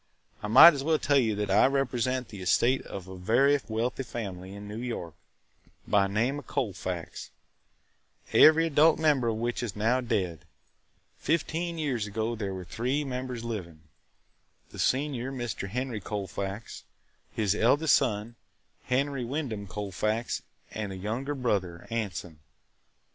I might as well tell you that I represent the estate of a very wealthy family in New York, by name of Colfax, every adult member of which is now dead. Fifteen years ago there were three members living – the senior Mr. Henry Colfax, his eldest son, Henry Wyndham Colfax, and a younger brother, Anson.